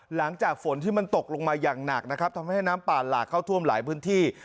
หลังจากฝนที่มันตกลงมาอย่างหนักนะครับทำให้น้ำป่าหลากเข้าท่วมหลายพื้นที่